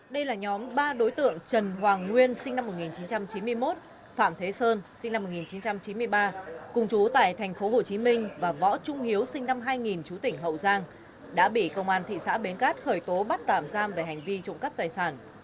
đây là nhóm ba đối tượng trần hoàng nguyên sinh năm một nghìn chín trăm chín mươi một phạm thế sơn sinh năm một nghìn chín trăm chín mươi ba cùng chú tại tp hcm và võ trung hiếu sinh năm hai nghìn chú tỉnh hậu giang đã bị công an thị xã bến cát khởi tố bắt tạm giam về hành vi trộm cắp tài sản